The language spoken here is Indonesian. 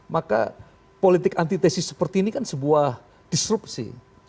maka politik antitesis seperti ini kan sebuah disrupsi